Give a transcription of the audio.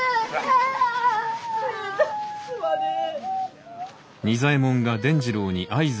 すまねえ。